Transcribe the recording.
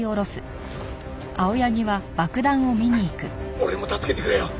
俺も助けてくれよ！